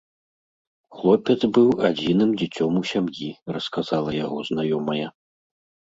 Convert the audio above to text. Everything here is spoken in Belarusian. Хлопец быў адзіным дзіцём у сям'і, расказала яго знаёмая.